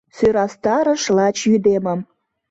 Сöрастарыш лач йÿдемым